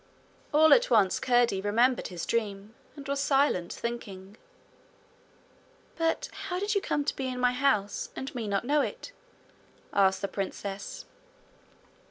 All at once Curdie remembered his dream, and was silent, thinking. 'But how did you come to be in my house, and me not know it?' asked the princess.